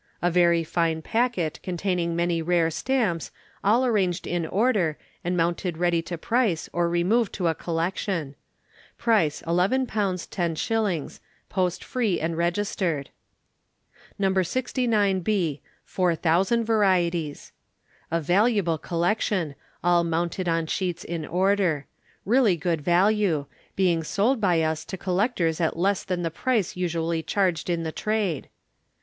A very fine packet, containing many rare stamps, all arranged in order, and mounted ready to price or remove to a collection. Price £11 10s., post free and registered. No. 69B, 4,000 VARIETIES. A valuable collection, all mounted on sheets in order. Really good value; being sold by us to collectors at less than the price usually charged in the trade.